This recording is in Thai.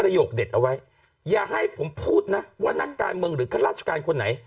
อย่าให้ผมพูดนะว่านักการเมืองหรือข้าราชการคนไหน